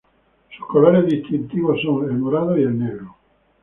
Sus colores distintivos son el morado y el negro.